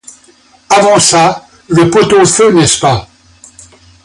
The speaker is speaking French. Avant ça, le pot-au-feu, n'est-ce pas?